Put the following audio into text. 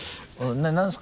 何ですか？